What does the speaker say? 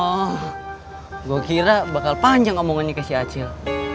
wah gue kira bakal panjang omongannya ke si acil